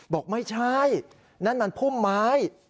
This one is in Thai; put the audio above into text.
บอกไม่ใช่นั่นมันพุ่มไม้